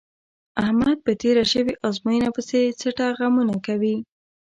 احمد په تېره شوې ازموینه پسې څټه غمونه کوي.